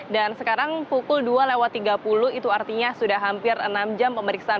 dan sekarang pukul dua tiga puluh itu artinya sudah hampir enam jam pemeriksaan